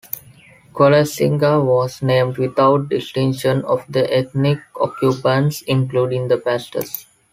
Quillasinga was named without distinction of the ethnic occupants including the Pastos.